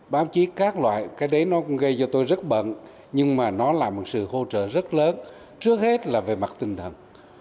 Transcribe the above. báo chí các loại cái đấy nó cũng gây cho tôi rất bận nhưng mà nó là một sự hỗ trợ rất lớn trước hết là về mặt tinh thần